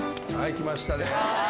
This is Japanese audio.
来ましたね。